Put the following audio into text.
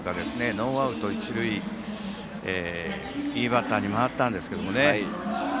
ノーアウト、一塁でいいバッターに回ったんですが。